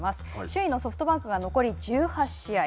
首位のソフトバンクが残り１８試合。